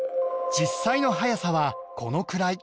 実際の速さはこのくらい